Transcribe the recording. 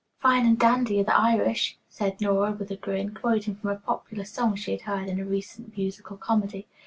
"'Fine and dandy are the Irish,'" said Nora with a grin, quoting from a popular song she had heard in a recent musical comedy.